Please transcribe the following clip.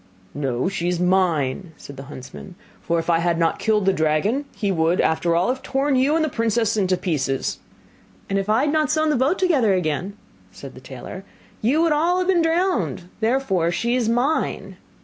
'No, she is mine,' said the huntsman; 'for if I had not killed the dragon, he would, after all, have torn you and the princess into pieces.' 'And if I had not sewn the boat together again,' said the tailor, 'you would all have been drowned, therefore she is mine.